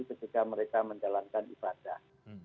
ketika mereka menjalankan ibadah